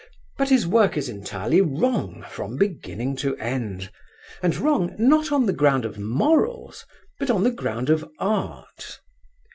But his work is entirely wrong from beginning to end, and wrong not on the ground of morals, but on the ground of art.